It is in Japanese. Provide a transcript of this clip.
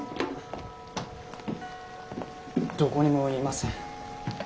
どこにもいません。